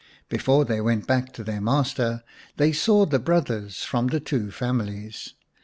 Before they went back to their master they saw the brothers from the two families.